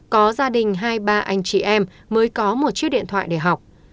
có gia đình hai ba anh chị em mới có một chiếc điện thoại để học